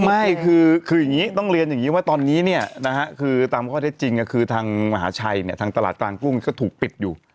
ไม่คืออย่างนี้ต้องเรียนอย่างนี้ว่าตอนนี้เนี่ยนะฮะคือตามข้อเท็จจริงคือทางมหาชัยเนี่ยทางตลาดกลางกุ้งก็ถูกปิดอยู่